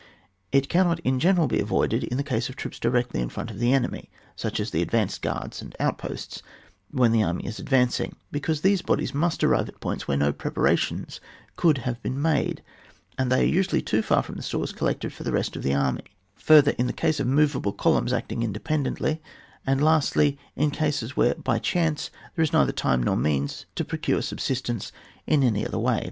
It cannot in general be avoided in the case of troops directly in front of the enemy, such as advanced guards and outposts, when the army is advancing, because these bodies must arrive at points where no preparations could have been made, and they are usually too far from the stores collected for the rest of the army ; further, in the case of moveable columns acting independently; and lastly, in all cases where by chance there is neither time nor means to procure sab* sistence in any other way.